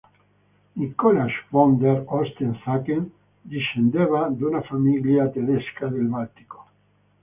Nikolaj von der Osten-Sacken discendeva da una famiglia tedesca del Baltico.